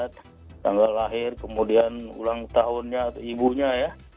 tanggal lahir kemudian ulang tahunnya atau ibunya ya